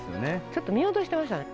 ちょっと見落としてましたね。